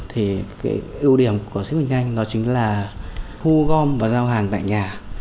thì cái ưu điểm của sức mạnh nhanh đó chính là thu gom và giao hàng tại nhà